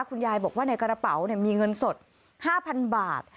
คุณยายบอกว่าในกระเป๋ามีเงินสด๕๐๐๐บาท